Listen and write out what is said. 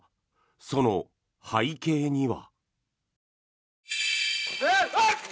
その背景には。